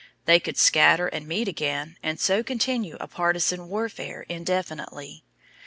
They could scatter and meet again, and so continue a partizan warfare indefinitely.